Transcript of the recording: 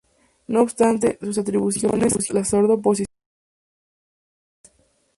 No obstante sus atribuciones, la sorda oposición al tratado demoró las operaciones.